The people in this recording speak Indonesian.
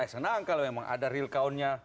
saya senang kalau memang ada real accountnya